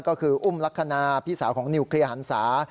ก็คืออุ้มลักษณะพี่สาวของนิวเคลียร์หันศา